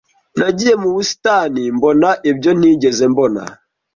Nagiye mu busitani mbona ibyo ntigeze mbona